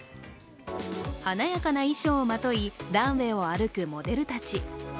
華やかな衣装をまといランウェイを歩くモデルたち。